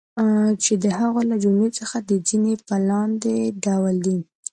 چی د هغو له جملی څخه د ځینی په لاندی ډول دی